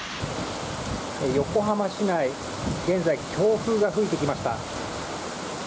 横浜市内、現在、強風が吹いてきました。